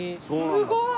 すごい！